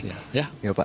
terima kasih pak